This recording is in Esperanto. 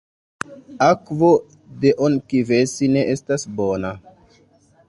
Akvo de Onkivesi ne estas bona.